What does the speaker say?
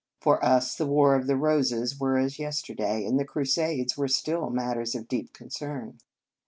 For us, the Wars of the Roses were as yesterday, and the Cru sades were still matters for deep con cern.